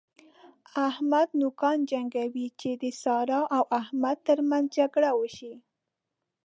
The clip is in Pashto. احمد نوکان جنګوي چې د سارا او احمد تر منځ جګړه وشي.